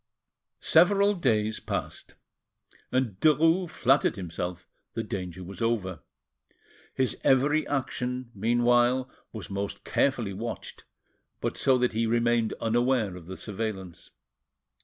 Several days passed, and Derues flattered him self the danger was over: his every action mean while was most carefully watched, but so that he remained unaware of the surveillance.